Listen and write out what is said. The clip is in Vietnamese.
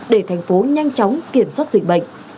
để thành phố nhanh chóng kiểm soát dịch bệnh